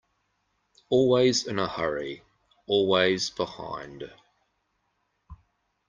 Always in a hurry, always behind.